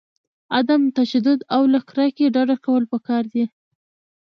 عدم تشدد او له کرکې ډډه کول پکار دي.